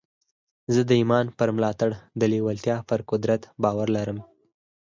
زه د ایمان پر ملاتړ د لېوالتیا پر قدرت باور لرم